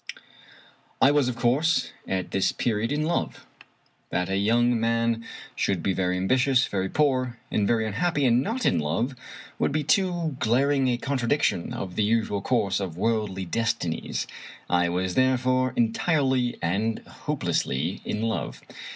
I was, of course, at this period in love. That a young man should be very ambitious, very poor, and very un happy, and not in love, would be too glaring a contradic tion of the usual course of worldly destinies. I was, there fore, entirely and hopelessly in love.